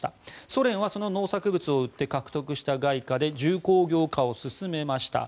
ソ連はその農作物を売って獲得した外貨で重工業化を進めました。